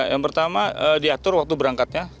yang pertama diatur waktu berangkatnya